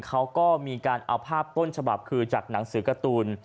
เขาก็มีการเอาภาพต้นฉบับคือจากหนังสือการ์ตูน